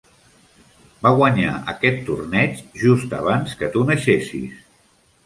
Va guanyar aquest torneig just abans que tu naixessis.